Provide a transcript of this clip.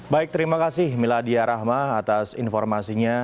baik terima kasih miladia rahma atas informasinya